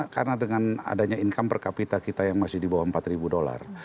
karena dengan adanya income per kapita kita yang masih di bawah empat dollar